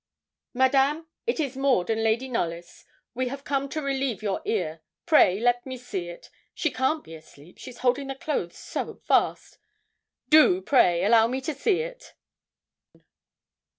'Madame, it is Maud and Lady Knollys. We have come to relieve your ear. Pray let me see it. She can't be asleep, she's holding the clothes so fast. Do, pray, allow me to see it.'